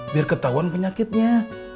biar ketahuan penyakitnya